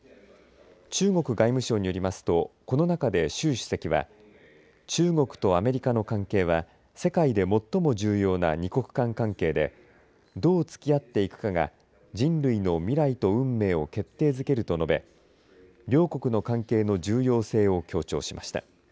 中国外務省によりますとこの中で習主席は中国とアメリカの関係は世界で最も重要な２国間関係でどうつきあっていくかが人類の未来と運命を決定づけると述べ両国の関係の重要性を強調しました。